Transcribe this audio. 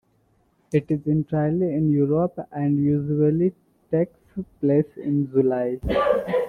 It is entirely in Europe, and usually takes place in July.